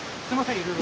いろいろ。